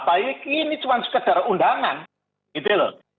apalagi ini cuma sekedar undangan gitu loh